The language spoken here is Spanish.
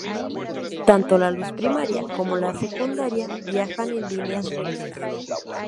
Tanto la luz primaria como la secundaria viajan en líneas rectas.